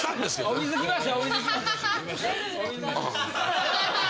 お水来ました。